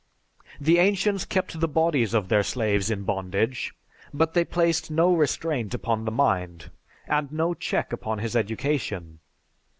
The ancients kept the bodies of their slaves in bondage, but they placed no restraint upon the mind and no check upon his education.